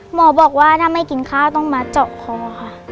หมอบอกว่าถ้าไม่กินข้าวต้องมาเจาะคอค่ะ